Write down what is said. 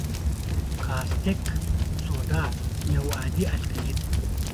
کاستک سوډا یو عادي القلي ده.